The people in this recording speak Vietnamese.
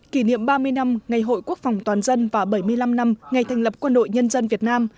kỷ niệm ba mươi năm ngày hội quốc phòng toàn dân và bảy mươi năm năm ngày thành lập quân đội nhân dân việt nam